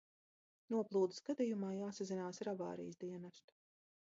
Noplūdes gadījumā jāsazinās ar avārijas dienestu.